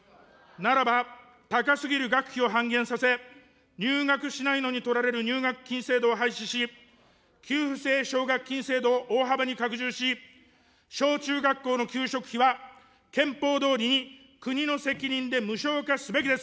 ならば、高すぎる学費を半減させ、入学しないのに取られる入学金制度を廃止し、給付制奨学金制度を大幅に拡充し、小中学校の給食費は憲法どおりに国の責任で無償化すべきです。